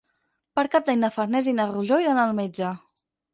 Per Cap d'Any na Farners i na Rosó iran al metge.